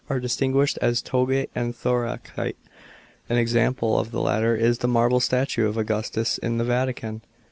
585 are distinguished as togatse and thoracifa" An example of the latter is the marble statue of Augustus in the Vatican.